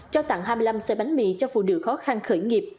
trao tặng hai mươi năm xe bánh mì cho phụ nữ khó khăn khởi nghiệp